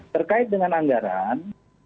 terkait dengan anggaran